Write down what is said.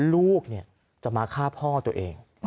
ลูกเนี่ยจะมาฆ่าพ่อตัวเอง